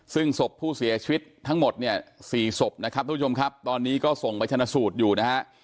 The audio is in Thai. ซึ่งศพผู้เสียชีวิตทั้งหมดเนี่ย๔ศพนะครับทุกผู้ชมครับตอนนี้ก็ส่งไปชนะสูตรอยู่นะฮะ